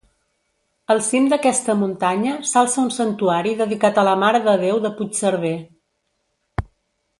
Al cim d'aquesta muntanya s'alça un santuari dedicat a la Mare de Déu de Puigcerver.